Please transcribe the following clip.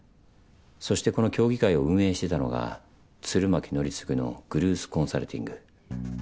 そしてこの協議会を運営してたのが鶴巻紀次のグルース・コンサルティング。